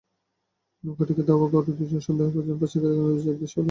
নৌকাটিকে ধাওয়া করলে দুজন সন্দেহভাজন পাচারকারী নদীতে ঝাঁপ দিয়ে পালিয়ে যান।